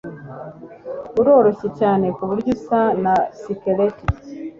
Aroroshye cyane kuburyo asa na skeleti.